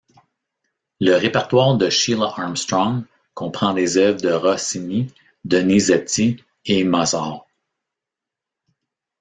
Le répertoire de Sheila Armstrong comprend des œuvres de Rossini, Donizetti et Mozart.